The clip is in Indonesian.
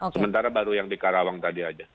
sementara baru yang di karawang tadi aja